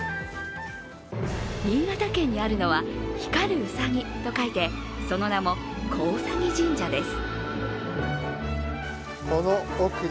新潟県にあるのは光るうさぎと書いてその名も光兎神社です。